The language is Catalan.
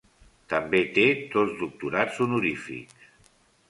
També té dos doctorats honorífics.